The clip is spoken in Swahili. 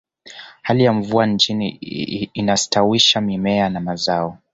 hali ya mvua nchini inastawisha mimea na mazao